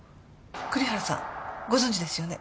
栗原さんご存じですよね？